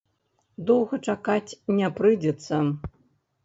Доўга чакаць не прыйдзецца.